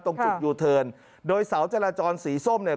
ตรงจุดยูเทิร์นโดยเสาจราจรสีส้มเนี่ย